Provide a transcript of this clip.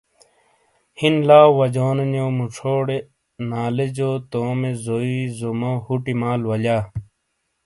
ہِین لاؤ وجونو جو موچھوڈے نالے جو تومی زوئی ظومو ہوٹی مال ولیا ۔